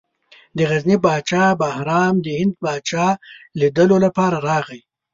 د غزني پاچا بهرام د هند پاچا لیدلو لپاره راغی.